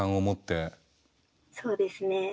そうですね。